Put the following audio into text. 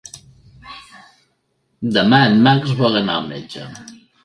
Demà en Max vol anar al metge.